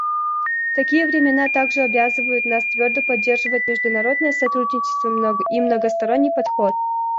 Такие времена также обязывают нас твердо поддерживать международное сотрудничество и многосторонний подход.